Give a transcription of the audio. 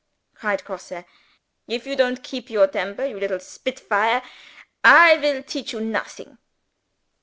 cried Grosse. "If you don't keep your tempers, you little spitfire, I will teach you nothing."